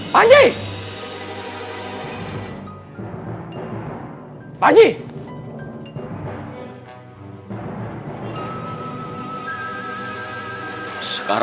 dia itu senyum merah